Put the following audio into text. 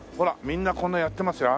みんなこんなやってますよ。